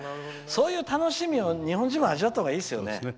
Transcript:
そういう楽しみを日本人は味わったほうがいいですよね。